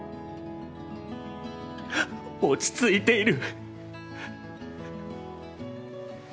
「落ち付いている」。